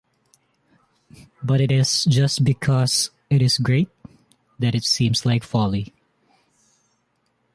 But it is just because it is great, that it seems like folly.